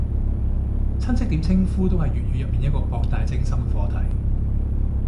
親戚點稱呼都係粵語入面一個博大精深嘅課題